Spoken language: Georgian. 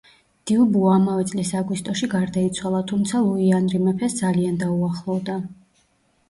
დიუბუა ამავე წლის აგვისტოში გარდაიცვალა, თუმცა ლუი ანრი მეფეს ძალიან დაუახლოვდა.